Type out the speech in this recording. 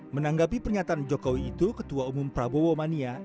menanggapi pernyataan jokowi itu ketua umum prabowo mania